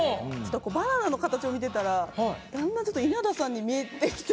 バナナの形を見てたらだんだん稲田さんに見えてきて。